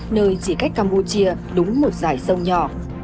nơi chỉ cách campuchia đúng một dải sông nhỏ